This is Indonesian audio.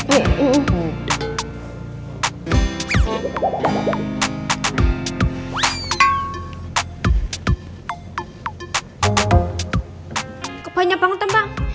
kok banyak panggutan pak